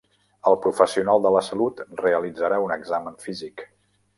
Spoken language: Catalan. El professional de la salut realitzarà un examen físic.